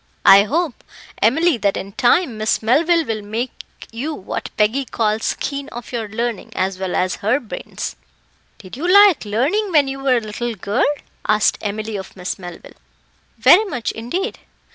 I hope, Emily, that in time, Miss Melville will make you what Peggy calls keen of your learning, as well as her bairns." "Did you like learning when you were a little girl?" asked Emily of Miss Melville. "Very much, indeed."